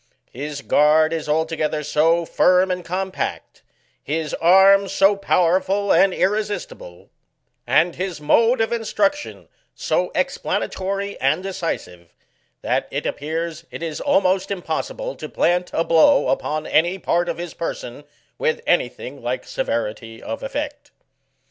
His guard is altogether so firm and compact, his arms so powerful and irresistible, and his mode of instruction so explanatory and decisive, that, it appears, it is almost impossible to plant a blow upon any part of his person with any thing like severity of efiect.